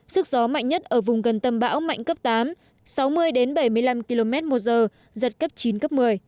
sức gió mạnh nhất ở vùng gần tâm bão mạnh cấp tám sáu mươi bảy mươi năm km một giờ giật cấp chín cấp một mươi